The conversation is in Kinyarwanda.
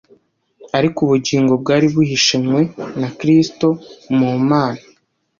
ariko "Ubugingo bwari buhishanywe na Kristo mu Mana,